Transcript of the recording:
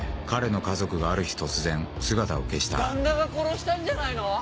彼の家族がある日突然姿を消した旦那が殺したんじゃないの？